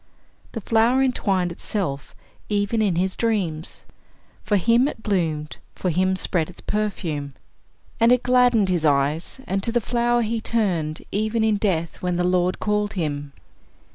The flower entwined itself even in his dreams for him it bloomed, for him spread its perfume. And it gladdened his eyes, and to the flower he turned, even in death, when the Lord called him.